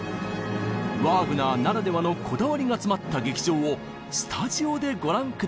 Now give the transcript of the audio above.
ワーグナーならではのこだわりが詰まった劇場をスタジオでご覧下さい！